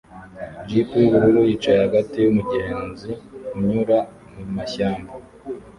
Jeep yubururu yicaye hagati yumugezi unyura mumashyamba